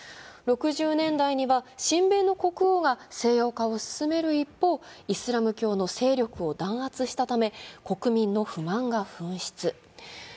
６０年代には親米の国王が西欧化を進める一方イスラム教の勢力を弾圧したため、国民の不満が噴出。